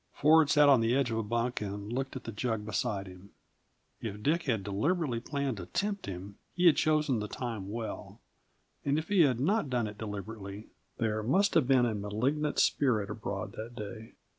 Ford sat on the edge of a bunk and looked at the jug beside him. If Dick had deliberately planned to tempt him, he had chosen the time well; and if he had not done it deliberately, there must have been a malignant spirit abroad that day.